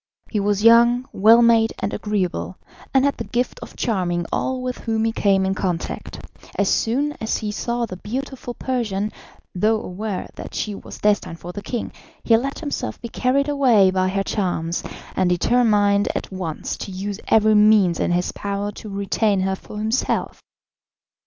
He was young, well made and agreeable, and had the gift of charming all with whom he came in contact. As soon as he saw the beautiful Persian, though aware that she was destined for the king, he let himself be carried away by her charms, and determined at once to use every means in his power to retain her for himself.